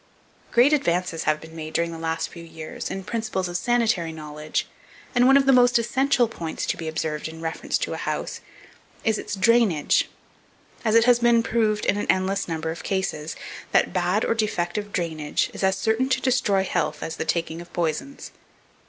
Great advances have been made, during the last few years, in the principles of sanitary knowledge, and one most essential point to be observed in reference to a house, is its "drainage," as it has been proved in an endless number of cases, that bad or defective drainage is as certain to destroy health as the taking of poisons.